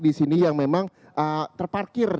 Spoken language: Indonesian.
disini yang memang terparkir